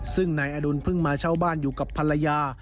ซึ่งนายอดุลเพิ่งมาเช่าบ้านอยู่กับภรรยา